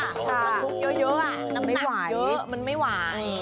มันมุกเยอะน้ำหนักเยอะมันไม่หวาย